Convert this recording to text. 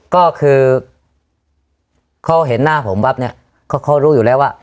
ก็คือเขาเห็นหน้าผมปั๊บเนี่ยเขารู้อยู่แล้วว่า